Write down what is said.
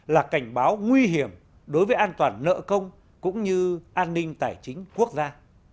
là cảnh báo nguy hiểm đối với an toàn nợ công cũng như an ninh tài chính quốc gia